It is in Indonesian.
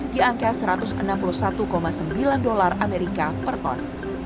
di angka satu ratus enam puluh satu sembilan dolar amerika per ton